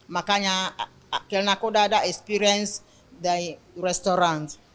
makanya karena aku sudah ada pengalaman di restoran